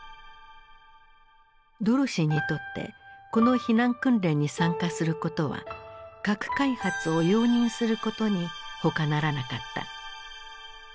ドロシーにとってこの避難訓練に参加することは核開発を容認することにほかならなかった。